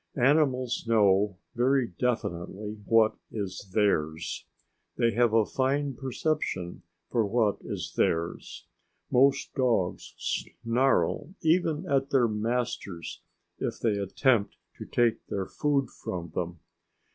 Animals know very definitely what is theirs. They have a fine perception for what is theirs. Most dogs snarl even at their masters if they attempt to take their food from them.